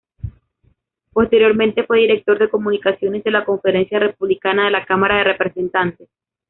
Posteriormente fue director de comunicaciones de la Conferencia Republicana de la Cámara de Representantes.